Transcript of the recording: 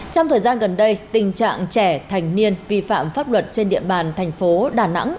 trong thời gian gần đây tình trạng trẻ thành niên vi phạm pháp luật trên địa bàn thành phố đà nẵng